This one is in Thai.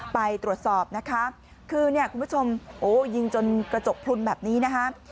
ไปตรวจสอบนะคะคือเนี่ยคุณผู้ชมโอ้ยิงจนกระจกพลุนแบบนี้นะคะ